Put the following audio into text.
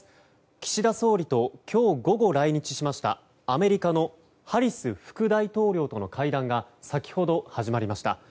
岸田総理と今日午後来日しましたアメリカのハリス副大統領との会談が先ほど始まりました。